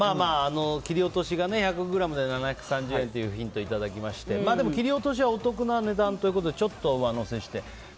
切り落としが１００ｇで７３０円というヒントをいただきましてでも、切り落としはお得な値段ということでちょっと上乗せして。